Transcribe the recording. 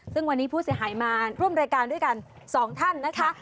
ซึ่งวันนี้ผู้เสียหายมาร่วมรายการด้วยกัน๒ท่านนะคะ